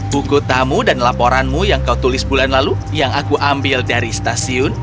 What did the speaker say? buku tamu dan laporanmu yang kau tulis bulan lalu yang aku ambil dari stasiun